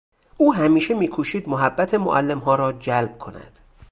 او همیشه میکوشید محبت معلمها را جلب کند.